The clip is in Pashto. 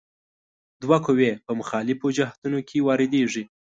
دوه قوې په مخالفو جهتونو کې واردیږي.